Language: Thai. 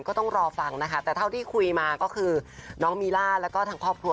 ก็ต้องรอฟังนะคะแต่เท่าที่คุยมาก็คือน้องมีล่าแล้วก็ทางครอบครัว